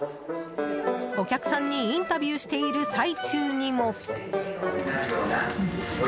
お客さんにインタビューしている最中にも。